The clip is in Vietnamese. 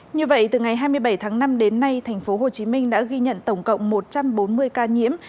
như vậy từ ngày hai mươi bảy tháng năm đến nay tp hcm đã ghi nhận tổng cộng một trăm bốn mươi ca nhiễm